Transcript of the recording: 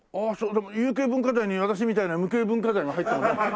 でも有形文化財に私みたいな無形文化財が入ってもいいの？